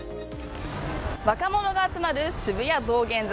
若者が集まる渋谷道玄坂。